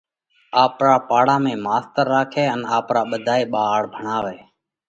آپرا پاڙا موئين ٿِي ماستر راکئہ ان آپرا ٻڌائي ٻاۯ ڀڻاوئہ۔